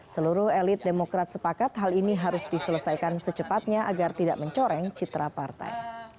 seluruh elit demokrat sepakat hal ini harus diselesaikan secepatnya agar tidak mencoreng citra partai